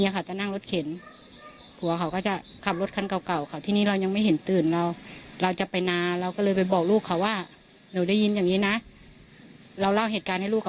ส่วนลูกสาวของนางประเศษผู้เสียชีวิต